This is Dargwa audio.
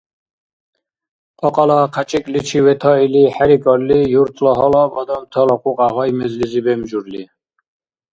Кьакьала кьячӀикӀличи ветаили хӀерикӀалли, юртла гьалаб адамтала кьукья гъай-мезлизи бемжурли!